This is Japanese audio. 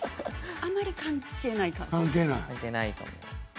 あまり関係ないかな。